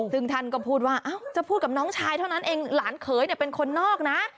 ซึ่งท่านก็พูดว่าจะพูดกับน้องชายเท่านั้นเองหลานเขยเนี่ยเป็นคนนอกนะ